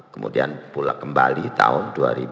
kemudian pula kembali tahun dua ribu dua